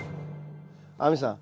亜美さん。